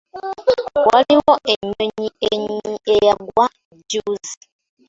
Waliwo ennyonyi eyagwa jjuuzi.